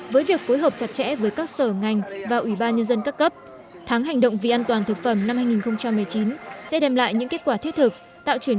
với việc phối hợp chặt chẽ với các sở ngành và ủy ban nhân dân các cấp tháng hành động vì an toàn thực phẩm năm hai nghìn một mươi chín sẽ đem lại những kết quả thiết thực